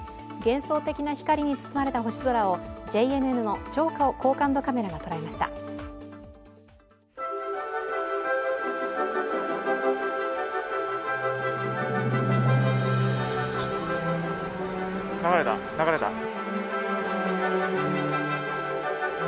幻想的な光に包まれた星空をＪＮＮの超高感度カメラが捉えました流れた、流れた。